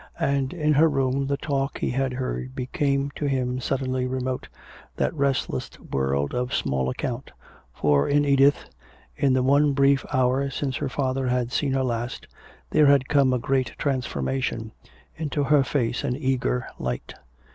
And in her room the talk he had heard became to him suddenly remote, that restless world of small account. For in Edith, in the one brief hour since her father had seen her last, there had come a great transformation, into her face an eager light.